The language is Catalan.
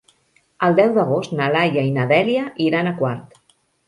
El deu d'agost na Laia i na Dèlia iran a Quart.